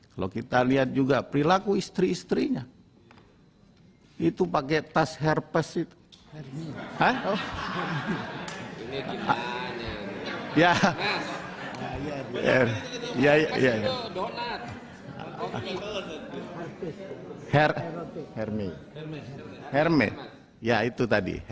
kalau kita lihat juga perilaku istri istrinya itu pakai tas herpes itu